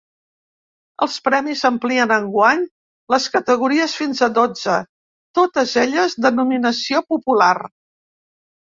Els premis amplien enguany les categories fins a dotze, totes elles de nominació popular.